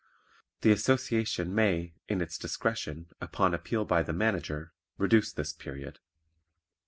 The Association may, in its discretion, upon appeal by the Manager, reduce this period.